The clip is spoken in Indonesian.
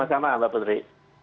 sama sama mbak pedri